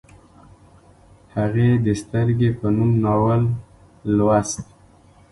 هغې د سترګې په نوم ناول لوست